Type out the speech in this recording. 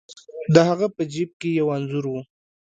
د هغه په جیب کې یو انځور و.